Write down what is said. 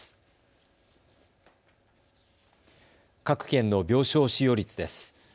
各県の病床使用率です。